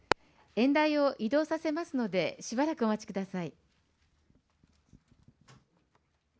演台を移動させますので、しばらくお待ちください。